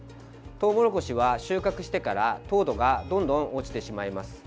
トウモロコシは収穫してから糖度がどんどん落ちてしまいます。